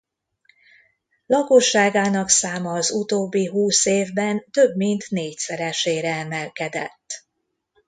Lakosságának száma az utóbbi húsz évben több mint négyszeresére emelkedett.